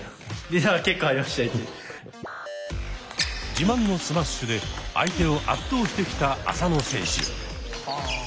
自慢のスマッシュで相手を圧倒してきた浅野選手。